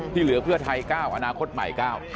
เหลือเพื่อไทย๙อนาคตใหม่๙